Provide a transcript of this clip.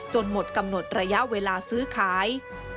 หมดกำหนดระยะเวลาซื้อขาย